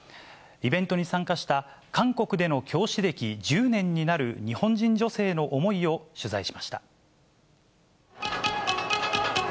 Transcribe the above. イベントに参加した、韓国での教師歴１０年になる日本人女性の思いを取材しました。